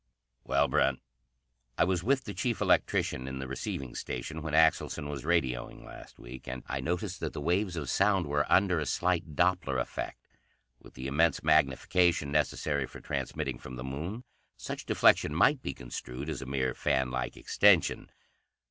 "Well, Brent?" "I was with the chief electrician in the receiving station when Axelson was radioing last week. And I noticed that the waves of sound were under a slight Doppler effect. With the immense magnification necessary for transmitting from the Moon, such deflection might be construed as a mere fan like extension.